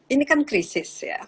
ini kan krisis ya